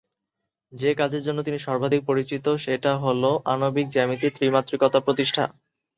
যে কাজের জন্য তিনি সর্বাধিক পরিচিত সেটা হল আণবিক জ্যামিতির ত্রি-মাত্রিকতা প্রতিষ্ঠা।